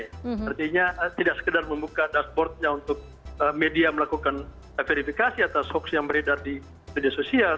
artinya tidak sekedar membuka dashboardnya untuk media melakukan verifikasi atas hoax yang beredar di media sosial